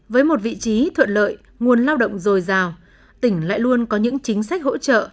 với một vị trí thuận lợi nguồn lao động dồi dào tỉnh lại luôn có những chính sách hỗ trợ